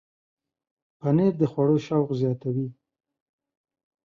پنېر د خوړو شوق زیاتوي.